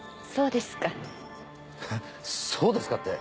そうですか。